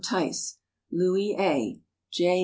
Tice, Louie A., J.